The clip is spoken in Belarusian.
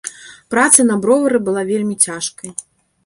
Праца на бровары была вельмі цяжкай.